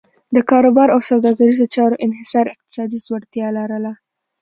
د کاروبار او سوداګریزو چارو انحصار اقتصادي ځوړتیا لرله.